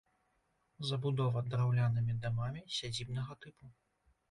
Забудова драўлянымі дамамі сядзібнага тыпу.